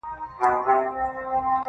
هغه لونگ چي شعر وايي سندرې وايي~